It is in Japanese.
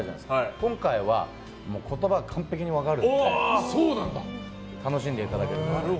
今回は、言葉完璧に分かるので楽しんでいただけると。